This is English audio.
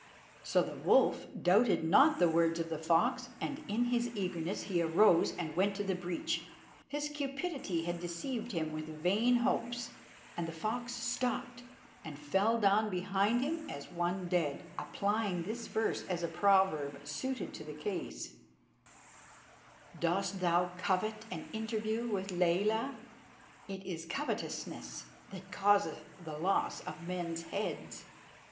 So the wolf doubted not the words of the fox, and in his eagerness he arose and went to the breach. His cupidity had deceived him with vain hopes, and the fox stopped and fell down behind him as one dead, applying this verse as a proverb suited to the case "Dost thou covet an interview with Leyla? It is covetousness that causeth the loss of men's heads."